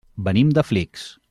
Venim de Flix.